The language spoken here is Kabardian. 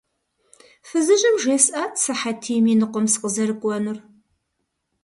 Фызыжьым жесӏат сыхьэтийм и ныкъуэм сыкъызэрыкӏуэнур.